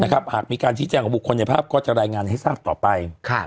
หากมีการชี้แจงของบุคคลในภาพก็จะรายงานให้ทราบต่อไป